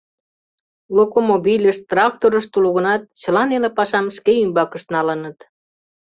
Локомобильышт, тракторышт уло гынат, чыла неле пашам шке ӱмбакышт налыныт.